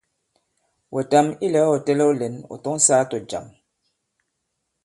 Wɛ̀tam ilɛ̀ga ɔ̀ tɛlɛ̄w lɛ̌n, ɔ̀ tɔ̌ŋ sāā tɔ̀jàm.